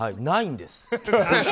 ないんです。